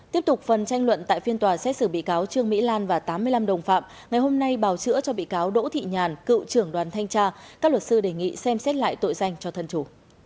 tiếp tục phần tranh luận tại phiên tòa xét xử bị cáo trương mỹ lan và tám mươi năm đồng phạm ngày hôm nay bào chữa cho bị cáo đỗ thị nhàn cựu trưởng đoàn thanh tra các luật sư đề nghị xem xét lại tội danh cho thân chủ